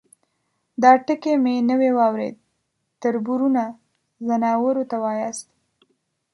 _دا ټکی مې نوی واورېد، تربرونه ، ځناورو ته واياست؟